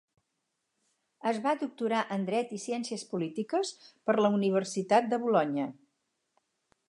Es va doctorar en Dret i Ciències Polítiques per la Universitat de Bolonya.